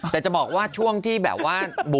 แต่จะบอกว่าช่วงที่แบบว่า